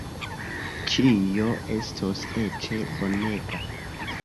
Ĉio estos eĉ bonega.